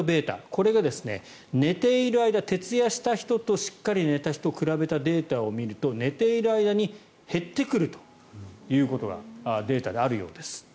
これが寝ている間、徹夜した人としっかり寝た人を比べたデータを見ると寝ている間に減ってくるということがデータであるようです。